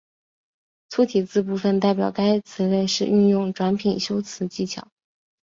粗体字部分代表该词类是运用转品修辞技巧。